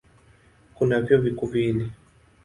Kuna vyuo vikuu viwili.